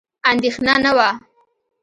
اندېښنه نه وه.